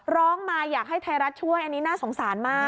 ร้องมาอยากให้ไทยรัฐช่วยอันนี้น่าสงสารมาก